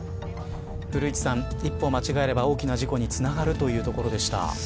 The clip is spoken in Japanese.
古市さん、一歩間違えれば大きな事故につながるというところでした。